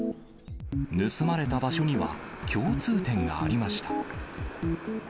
盗まれた場所には、共通点がありました。